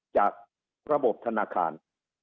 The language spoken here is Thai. จากระบบธนาคาร